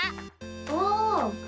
お！